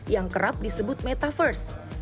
yang kerap disebut metaverse